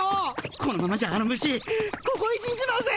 このままじゃあの虫こごえ死んじまうぜ！